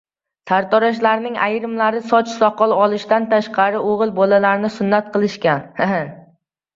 Sartaroshlarning ayrimlari soch-soqol olishdan tashqari o‘g‘il bolalarni sunnat qilishgan.